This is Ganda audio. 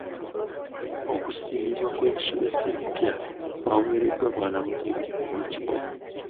Okusiimibwa kw'ebisomesa ebipya kwawereddwa bwanamukulu ow'ekigo.